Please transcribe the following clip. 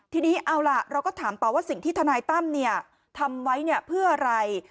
ทีนี้เราก็ถามต่อว่าสิ่งที่ทนายตั้มทำไว้เพื่ออะไร